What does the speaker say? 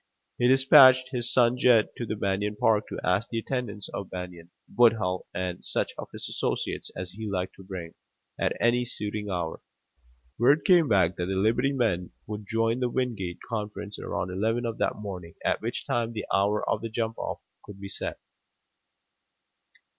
He dispatched his son Jed to the Banion park to ask the attendance of Banion, Woodhull and such of his associates as he liked to bring, at any suiting hour. Word came back that the Liberty men would join the Wingate conference around eleven of that morning, at which time the hour of the jump off could be set.